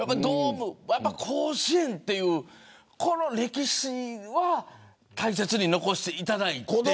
やっぱり甲子園という歴史は大切に残していただいて。